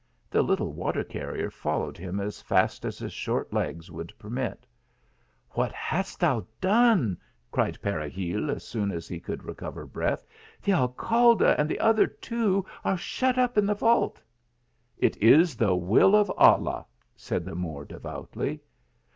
The little water carrier followed him as fast as his short legs would permit. "What hast thou done? " cried Peregil, as soon as he could recover breath. " The Alcalde and the other two are shut up in the vault !" 180 THE ALHAMI3RA. " It is the will of Allah !" said the Moor, de voutly.